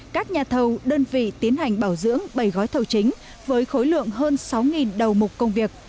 các nhà thầu đơn vị tiến hành bảo dưỡng bảy gói thầu chính với khối lượng hơn sáu đầu mục công việc